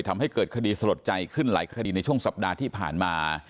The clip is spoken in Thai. ทำให้เกิดคดีสลดใจขึ้นหลายคดีในช่วงสัปดาห์ที่ผ่านมา